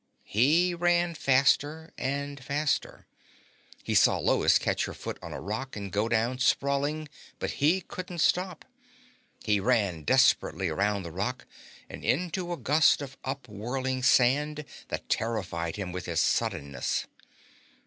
He ran faster and faster. He saw Lois catch her foot on a rock and go down sprawling, but he couldn't stop. He ran desperately around the rock and into a gust of up whirling sand that terrified him with its suddenness.